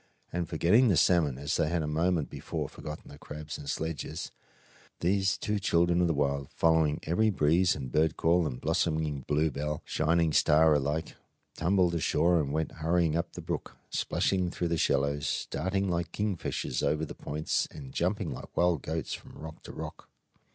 And forgetting the salmon, as they had a moment before forgotten the crabs and sledges, these two children of the wild, following every breeze and bird call and blossoming bluebell and shining star alike, tumbled ashore and went hurrying up the brook, splashing through the shallows, darting like kingfishers over the points, and jumping like wild goats from rock to rock.